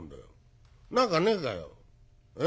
何かねえかよ？え？